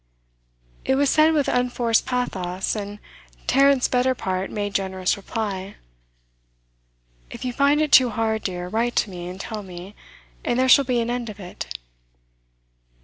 It was said with unforced pathos, and Tarrant's better part made generous reply. 'If you find it too hard, dear, write to me, and tell me, and there shall be an end of it.